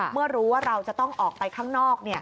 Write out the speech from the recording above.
เมื่อรู้ว่าเราจะต้องออกไปข้างนอก